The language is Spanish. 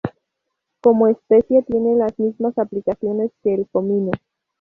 Como especia tiene las mismas aplicaciones que el comino.